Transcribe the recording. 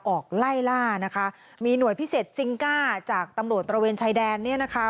ออกไล่ล่านะคะมีหน่วยพิเศษซิงก้าจากตำรวจตระเวนชายแดนเนี่ยนะคะ